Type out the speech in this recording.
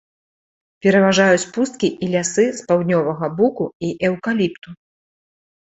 Пераважаюць пусткі і лясы з паўднёвага буку і эўкаліпту.